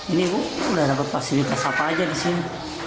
ini udah dapet fasilitas apa aja disini